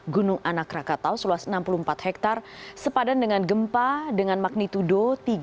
gunung anak rakatau seluas enam puluh empat hektare sepadan dengan gempa dengan magnitudo tiga